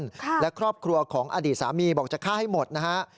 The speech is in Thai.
ค่ะและครอบครัวของอดีตสามีบอกจะฆ่าให้หมดนะฮะ